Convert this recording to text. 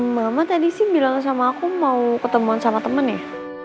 mama tadi sih bilang sama aku mau ketemuan sama temen ya